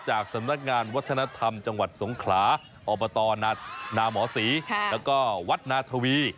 จากสำนักงานวัฒนธรรมจังหวัดสงขลาอบตนาหมอศรีแล้วก็วัดนาธวี